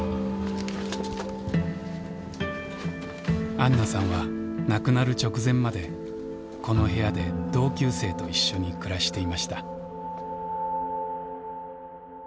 あんなさんは亡くなる直前までこの部屋で同級生と一緒に暮らしていました。